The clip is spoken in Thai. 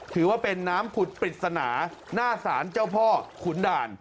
ถือว่าเป็นน้ำผุดปริศนาหน้าศาลเจ้าพ่อขุนด่าน